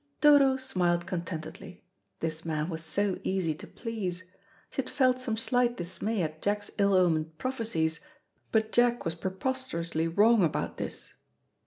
Dodo smiled contentedly. This man was so easy to please. She had felt some slight dismay at Jack's ill omened prophecies, but Jack was preposterously wrong about this.